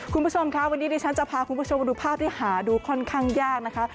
คุณผู้ชมค่ะวันนี้ดิฉันจะพาคุณผู้ชมมาดูภาพที่หาดูค่อนข้างยากนะคะ